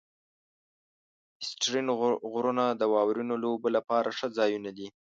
آسټرین غرونه د واورینو لوبو لپاره ښه ځایونه دي.